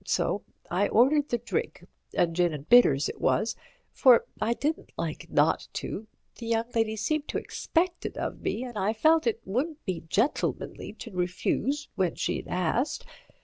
So I ordered the drink—a gin and bitters it was—for I didn't like not to, the young lady seemed to expect it of me and I felt it wouldn't be gentlemanly to refuse when she asked.